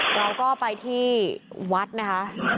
เราก็ไปที่วัดนะคะ